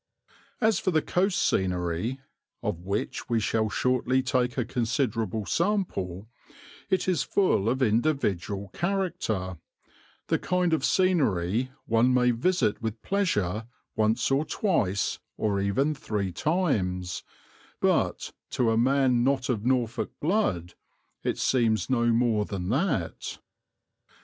As for the coast scenery, of which we shall shortly take a considerable sample, it is full of individual character, the kind of scenery one may visit with pleasure once or twice or even three times, but, to a man not of Norfolk blood, it seems no more than that.